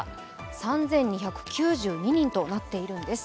３２９２人となっているんです。